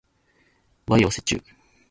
和洋折衷